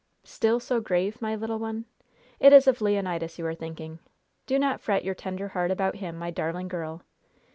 "Still so grave, my little one? It is of Leonidas you are thinking! Do not fret your tender heart about him, my darling girl!